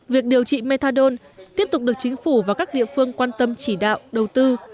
việc điều trị methadone tiếp tục được chính phủ và các địa phương quan tâm chỉ đạo đầu tư